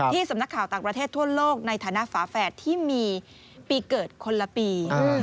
สำนักข่าวต่างประเทศทั่วโลกในฐานะฝาแฝดที่มีปีเกิดคนละปี